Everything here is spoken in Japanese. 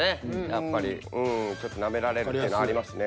やっぱりうんちょっとナメられるってのありますね。